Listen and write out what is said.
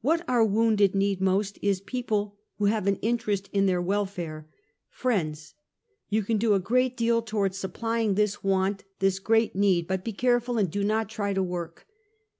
What our wounded need most, is peo ple who have an interest in their welfare — friends. You can do a great deal toward supplying this want, Go TO Fkedekicksbueg. 303 this great need ; but be careful and do not try to work."